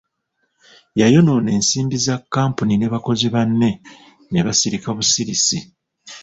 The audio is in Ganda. Yayonoona ensimbi za kkampuni ne bakozi banne ne basirika busirisi.